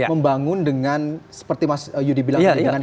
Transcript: membangun dengan seperti mas yudi bilang